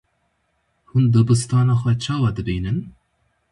Hûn dibistana xwe çawa dibînin?